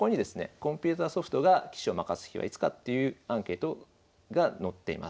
コンピュータソフトが棋士を負かす日はいつかというアンケートが載っています。